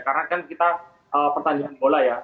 karena kan kita pertandingan bola ya